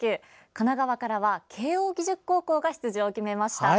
神奈川からは慶応義塾高校が出場を決めました。